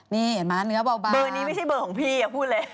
นี่เห็นไหมเนื้อเบาเบอร์นี้ไม่ใช่เบอร์ของพี่อย่าพูดเลย